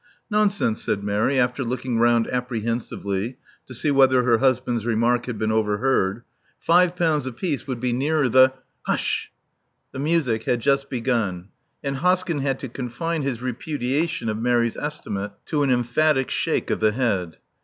'* Nonsense," said Mary, after looking round appre hensively to see whether her husband's remark had been overheard. Five pounds apiece would be nearer the — Hush." The music had just begun; and Hoskyn had to confine his repudiation of Mary's estimate to an emphatic shake of the head.